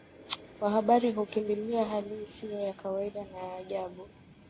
Wa habari hukimbilia hali isiyo ya kawaida na ya ajabu